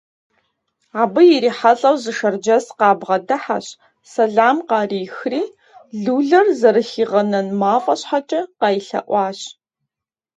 Абы ирихьэлӀэу зы шэрджэс къабгъэдыхьэщ, сэлам къарихри, лулэр зэрыхигъэнэн мафӀэ щхьэкӀэ къайлъэӀуащ.